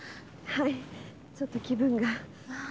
ちょっと気分が。